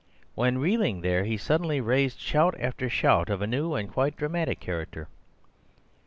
When reeling there he suddenly raised shout after shout of a new and quite dramatic character.